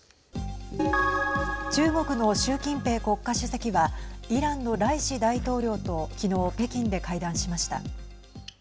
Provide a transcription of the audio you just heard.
中国の習近平国家主席はイランのライシ大統領と昨日北京で会談しました。